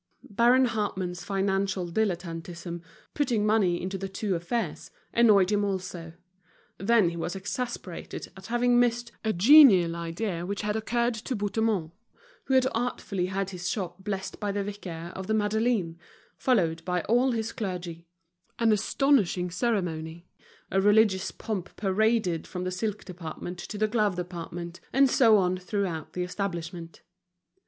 Baron Hartmann's financial dilettantism, putting money into the two affairs, annoyed him also. Then he was exasperated at having missed a genial idea which had occurred to Bouthemont, who had artfully had his shop blessed by the vicar of the Madeleine, followed by all his clergy; an astonishing ceremony, a religious pomp paraded from the silk department to the glove department, and so on throughout the establishment.